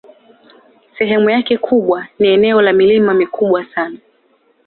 Sehemu yake kubwa ni eneo la milima mikubwa sana.